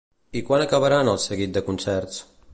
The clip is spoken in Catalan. I quan acabaran el seguit de concerts?